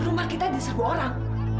rumah kita diserbu orang